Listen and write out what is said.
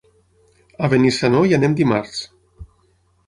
A Benissanó hi anem dimarts.